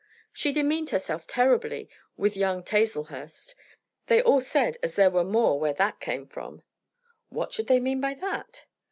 "She demeaned herself terribly with young Tazlehurst. They all said as there were more where that came from." "What should they mean by that?"